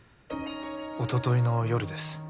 おとといの夜です。